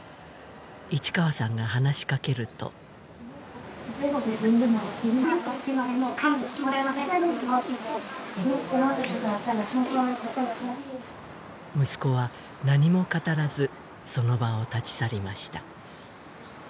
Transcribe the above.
市川さんが話しかけると息子は何も語らずその場を立ち去りました